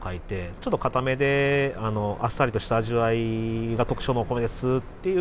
ちょっと硬めであっさりとした味わいが特徴のお米ですっていう。